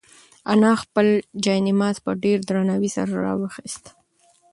انا خپل جاینماز په ډېر درناوي سره راواخیست.